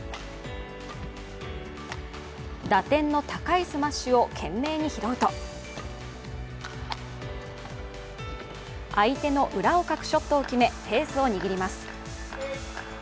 打点の高いスマッシュを懸命に拾うと相手の裏をかくショットを決めペースを握ります。